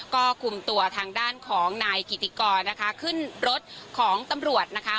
ก็คุมตัวทางด้านของนายกิติกรนะคะขึ้นรถของตำรวจนะคะ